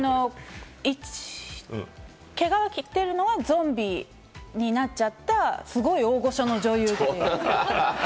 毛皮を着てるのは、ゾンビになっちゃった、すごい大御所の女優。